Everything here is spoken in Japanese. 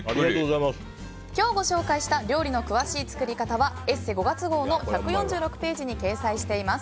今日ご紹介した料理の詳しい作り方は「ＥＳＳＥ」５月号１４６ページに掲載しています。